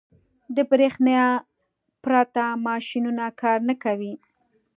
• د برېښنا پرته ماشينونه کار نه کوي.